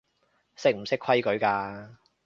識唔識規矩㗎